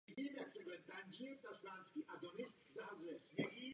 Housenky lze na hostitelských rostlinách pozorovat během května a června.